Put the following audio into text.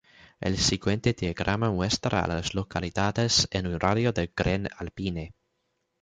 El siguiente diagrama muestra a las localidades en un radio de de Glen Alpine.